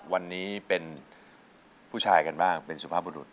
วันนี้เป็นผู้ชายกันบ้างเป็นสุภาพบุรุษ